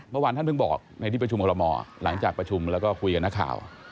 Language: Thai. เมื่อวานท่านเพิ่งบอกในที่ประชุมคอลโมหลังจากประชุมแล้วก็คุยกับนักข่าว